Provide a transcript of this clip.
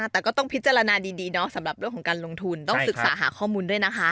แต่ก็ต้องพิจารณาดีเนาะสำหรับเรื่องของการลงทุนต้องศึกษาหาข้อมูลด้วยนะคะ